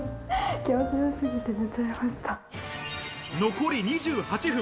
残り２８分。